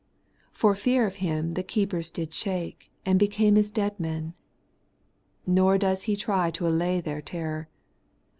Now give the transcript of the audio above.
' For fear of him, the keepers did shake, and became as dead men.' Nor does he try to allay their terror.